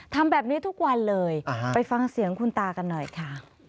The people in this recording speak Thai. ทำแบบนี้ทุกวันเลยไปฟังเสียงคุณตากันหน่อยค่ะ